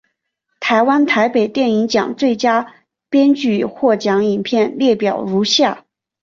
台湾台北电影奖最佳编剧获奖影片列表如下。